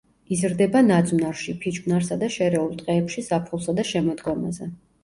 იზრდება ნაძვნარში, ფიჭვნარსა და შერეულ ტყეებში ზაფხულსა და შემოდგომაზე.